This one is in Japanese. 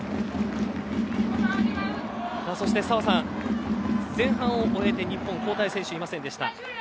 澤さん、前半を終えて日本、交代選手はいませんでした。